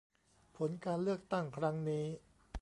ผลการเลือกตั้งครั้งนี้